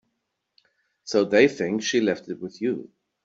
So they think she left it with you.